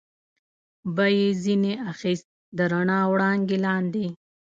به یې ځنې اخیست، د رڼا وړانګې لاندې.